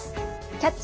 「キャッチ！